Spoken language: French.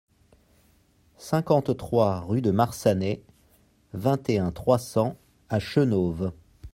cinquante-trois rue de Marsannay, vingt et un, trois cents à Chenôve